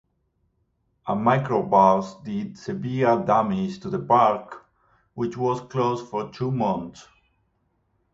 A microburst did severe damage to the park, which was closed for two months.